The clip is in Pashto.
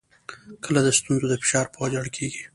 کله د ستونزو د فشار په وجه اړ کېږي.